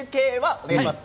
お願いします。